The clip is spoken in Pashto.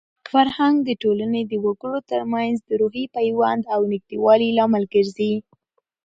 فرهنګ د ټولنې د وګړو ترمنځ د روحي پیوند او د نږدېوالي لامل ګرځي.